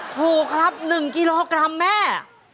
ถูกครับ๑กิโลกรัมแม่